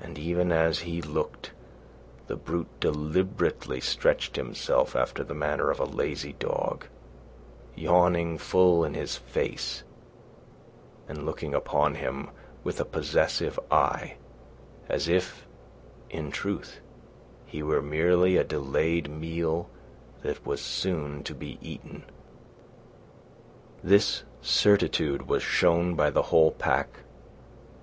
And even as he looked, the brute deliberately stretched himself after the manner of a lazy dog, yawning full in his face and looking upon him with a possessive eye, as if, in truth, he were merely a delayed meal that was soon to be eaten. This certitude was shown by the whole pack.